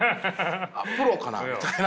プロかなみたいな。